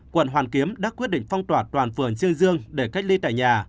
quận hoàn kiếm đã quyết định phong tỏa toàn phường trương dương để cách ly tại nhà